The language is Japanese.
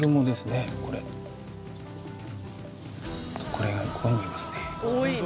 これがここにもいますね。